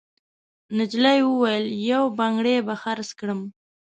نجلۍ وویل: «یو بنګړی به خرڅ کړم.»